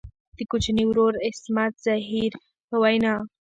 د کوچني ورور عصمت زهیر په وینا.